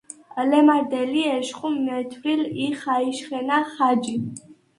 ლჷმარდე̄ლი ეშხუ მეთხვიარ ი ხა̄ჲშხე̄ნა ხაჯი.